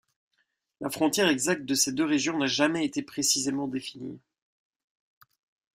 La frontière exacte de ces deux régions n'a jamais été précisément définie.